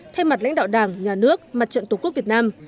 thay mặt lãnh đạo đảng nhà nước mặt trận tổ quốc việt nam